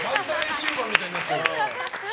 シウバみたいになってる。